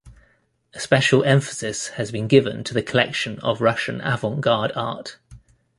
A special emphasis has been given to the collection of Russian avant-garde art.